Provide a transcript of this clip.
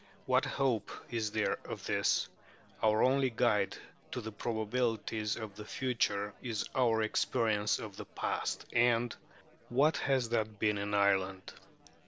What hope is there of this? Our only guide to the probabilities of the future is our experience of the past And what has that been in Ireland?